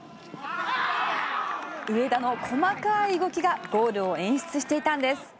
上田の細かい動きがゴールを演出していたんです。